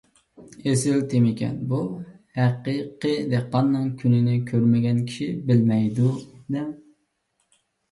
ئېسىل تېمىكەن! بۇ ھەقىقىي دېھقاننىڭ كۈنىنى كۆرمىگەن كىشى بىلمەيدۇ-دە.